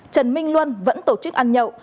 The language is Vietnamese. trần minh luân vẫn tổ chức ăn nhậu